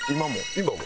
今も。